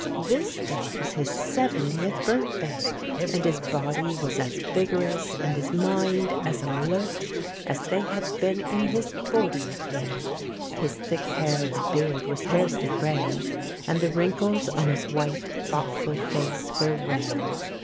This day was his seventieth birthday, and his body was as vigorous and his mind as alert as they had been in his fortieth year. His thick hair and beard were scarcely grey, and the wrinkles on his white, thoughtful face were rare.